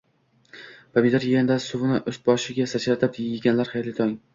Pomidor yeganda suvini ust-boshiga sachratib yeganlar, xayrli tong!